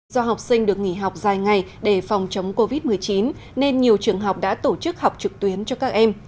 do học sinh được nghỉ học dài ngày để phòng chống covid một mươi chín nên nhiều trường học đã tổ chức học trực tuyến cho các em